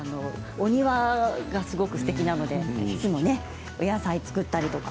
お庭がすごくすてきなのでいつもお野菜作ったりとか。